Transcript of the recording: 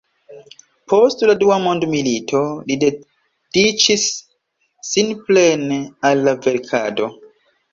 Post la Dua mondmilito li dediĉis sin plene al la verkado.